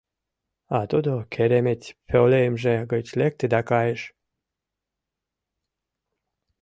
— А тудо, кереметь, пӧлемже гыч лекте да кайыш.